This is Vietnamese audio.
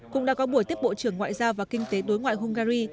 cũng đã có buổi tiếp bộ trưởng ngoại giao và kinh tế đối ngoại hungary